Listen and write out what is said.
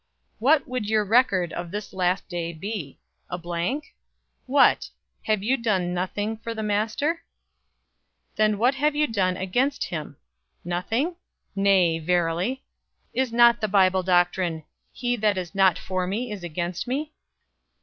What would your record of this last day be? A blank? What! Have you done nothing for the Master? Then what have you done against Him? Nothing? Nay, verily! Is not the Bible doctrine, 'He that is not for me is against me?'